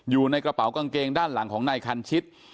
อยู่ในกระเป๋ากางเกงด้านหลังของนายคันชิต